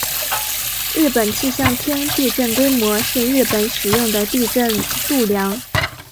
日本气象厅地震规模是日本使用的地震度量。